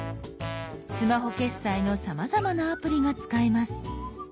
スマホ決済のさまざまなアプリが使えます。